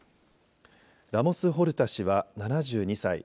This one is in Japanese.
ラモス・ホルタ氏は７２歳。